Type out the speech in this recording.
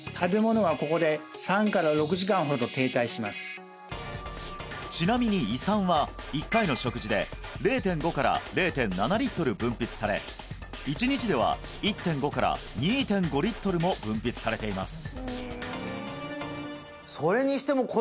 はいここでちなみに胃酸は１回の食事で０．５から０．７リットル分泌され１日では１．５から２．５リットルも分泌されています